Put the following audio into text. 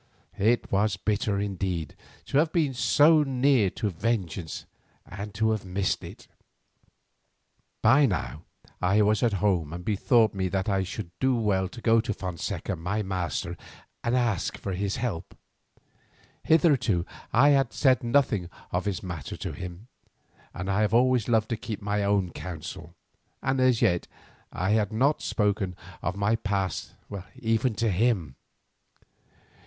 It was bitter indeed to have been so near to vengeance and to have missed it. By now I was at home and bethought me that I should do well to go to Fonseca, my master, and ask his help. Hitherto I had said nothing of this matter to him, for I have always loved to keep my own counsel, and as yet I had not spoken of my past even to him.